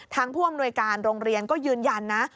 ผู้อำนวยการโรงเรียนก็ยืนยันนะ